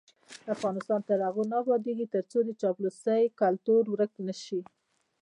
افغانستان تر هغو نه ابادیږي، ترڅو د چاپلوسۍ کلتور ورک نشي.